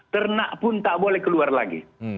ternak pun tak boleh keluar lagi